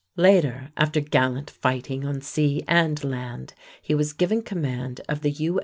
Later, after gallant fighting on sea and land, he was given command of the U.